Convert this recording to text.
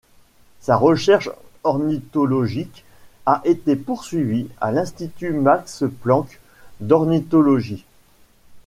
Sa recherche ornithologique a été poursuivie à l'Institut Max Planck d'ornithologie.